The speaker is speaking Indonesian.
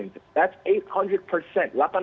itu delapan ratus persen